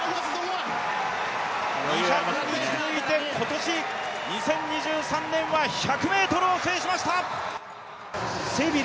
２００に続いて、今年２０２３年は１００ｍを制しました。